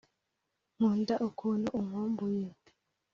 nkunda ukuntu unkumbuye.